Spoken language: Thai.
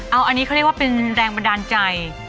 อันนี้เขาเรียกว่าเป็นแรงบันดาลใจ